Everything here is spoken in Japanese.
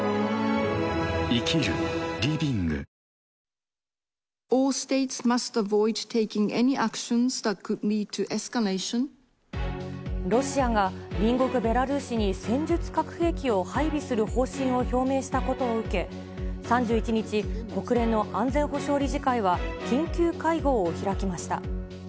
ぷはーっロシアが、隣国ベラルーシに戦術核兵器を配備する方針を表明したことを受け、３１日、国連の安全保障理事会は緊急会合を開きました。